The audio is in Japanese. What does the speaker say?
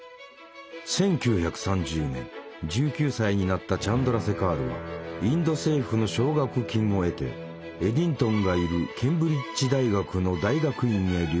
１９歳になったチャンドラセカールはインド政府の奨学金を得てエディントンがいるケンブリッジ大学の大学院へ留学する。